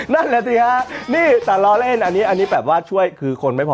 นั่นแหละสิฮะนี่แต่ล้อเล่นอันนี้อันนี้แบบว่าช่วยคือคนไม่พอ